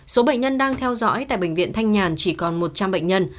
số bệnh nhân đang theo dõi tại bệnh viện thanh nhàn chỉ còn một trăm linh bệnh nhân